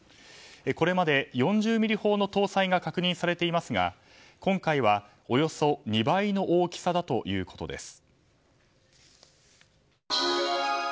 これまで４０ミリ砲の搭載が確認されていますが今回はおよそ２倍の大きさだということです。